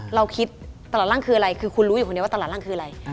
เราคิดตลอดร่างคืออะไรคือคุณรู้อยู่คนเดียวว่าตลาดร่างคืออะไร